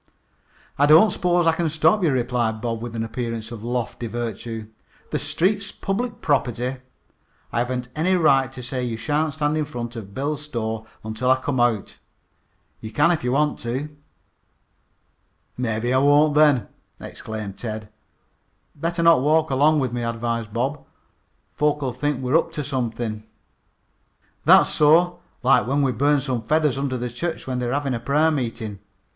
"I don't s'pose I can stop you," replied Bob, with an appearance of lofty virtue. "The street's public property. I haven't any right to say you shan't stand in front of Bill's store until I come out. You can if you want to." "Maybe I won't then!" exclaimed Ted. "Better not walk along with me," advised Bob. "Folks might think we were up to something." "That's so. Like when we burned some feathers under the church when they were having prayer meeting."